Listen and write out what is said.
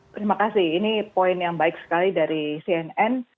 terima kasih ini poin yang baik sekali dari cnn